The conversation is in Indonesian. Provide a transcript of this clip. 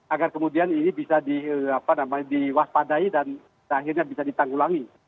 agar kemudian ini bisa diwaspadai dan akhirnya bisa ditanggulangi